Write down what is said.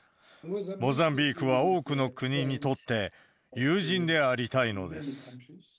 モザンビークは多くの国にとって友人でありたいのです。